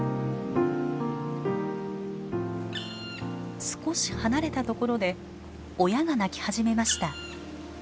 少し離れたところで親が鳴き始めました。